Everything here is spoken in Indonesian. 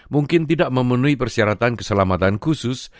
mungkin tidak memenuhi persyaratan keselamatan khusus